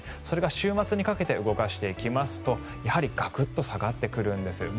それが週末にかけて動かしていきますとやはりガクッと下がってくるんです。